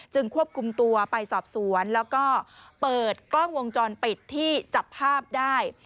ควบคุมตัวไปสอบสวนแล้วก็เปิดกล้องวงจรปิดที่จับภาพได้